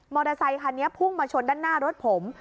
อเตอร์ไซคันนี้พุ่งมาชนด้านหน้ารถผม